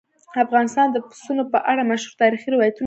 افغانستان د پسونو په اړه مشهور تاریخي روایتونه لري.